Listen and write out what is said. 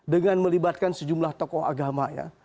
dengan melibatkan sejumlah tokoh agama ya